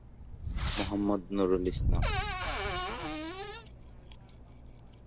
Muhammad Nurul Islam.